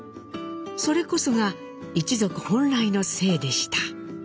それこそが一族本来の姓でした。